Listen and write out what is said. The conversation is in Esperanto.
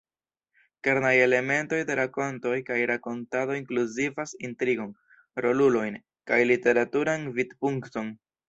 Kernaj elementoj de rakontoj kaj rakontado inkluzivas intrigon, rolulojn, kaj literaturan vidpunkton.